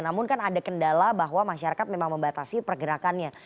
namun kan ada kendala bahwa masyarakat memang membatasi pergerakannya